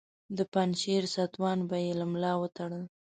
د پنجشیر ستوان به یې له ملا وتړل.